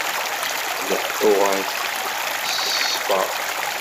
Leḥḥuɣ-ak s ṣṣfa.